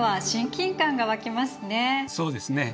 そうですね。